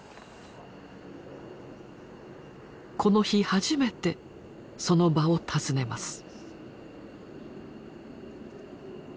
この日初めてその場を訪ねます。